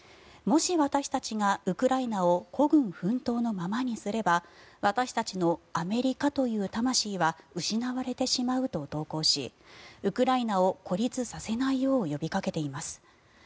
もし私たちが、ウクライナを孤軍奮闘のままにすれば私たちのアメリカという魂は失われてしまうと投稿しウクライナを孤立させないよう呼びかけています。